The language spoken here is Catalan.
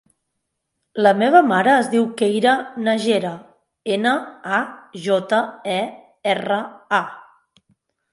La meva mare es diu Keira Najera: ena, a, jota, e, erra, a.